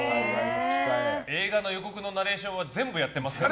映画の予告のナレーションは全部やってますからね。